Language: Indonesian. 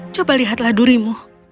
coba lihatlah durimu